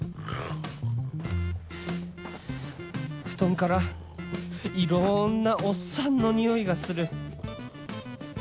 布団からいろんなおっさんのにおいがする